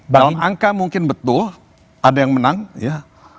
dalam angka mungkin betul ada yang menang ya